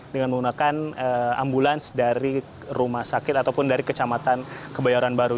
dengan menggunakan ambulans dari rumah sakit ataupun dari kecamatan kebayoran baru